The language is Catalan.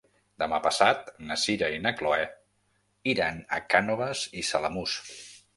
Demà passat na Sira i na Chloé iran a Cànoves i Samalús.